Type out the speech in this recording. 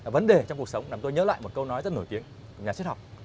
vấn đề trong cuộc sống làm tôi nhớ lại một câu nói rất nổi tiếng của nhà siết học